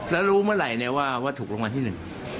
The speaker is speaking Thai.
แล้วรู้เมื่อไหร่เนี่ยว่าถูกรางวัลที่หนึ่ง